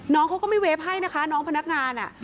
น้องเขาก็ไม่เวฟให้นะคะน้องพนักงาน